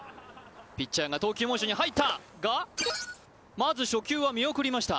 ピッチャーが投球モーションに入ったがまず初球は見送りました